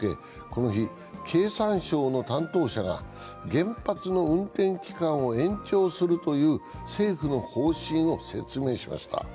この日、経産省の担当者が原発の運転期間を延長するという政府の方針を説明しました。